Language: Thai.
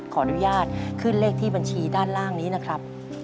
ขออนุญาตขึ้นเลขที่บัญชีด้านล่างนี้นะครับ